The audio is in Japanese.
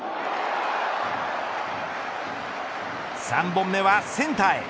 ３本目はセンターへ。